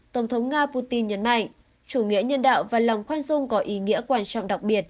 tổng thống nga putin nhấn mạnh chủ nghĩa nhân đạo và lòng khoan dung có ý nghĩa quan trọng đặc biệt